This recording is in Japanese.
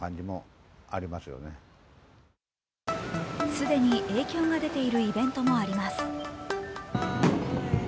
既に影響が出ているイベントもあります。